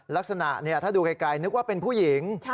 ลักษณะถ้าดูไกลนึกว่าเป็นผู้หญิง